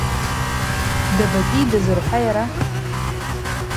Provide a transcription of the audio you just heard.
Дабатәида зырҳәа иара?